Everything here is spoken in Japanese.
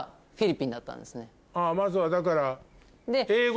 まずはだから。